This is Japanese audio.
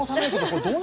これ。